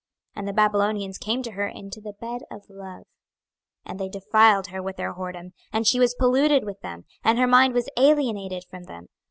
26:023:017 And the Babylonians came to her into the bed of love, and they defiled her with their whoredom, and she was polluted with them, and her mind was alienated from them.